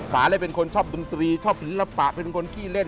ป่าเลยเป็นคนชอบดนตรีชอบศิลปะเป็นคนขี้เล่น